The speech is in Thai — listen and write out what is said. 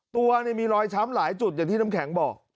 ตัวมีรอยช้ำหลายจุดอย่างที่น้ำแข็งบอก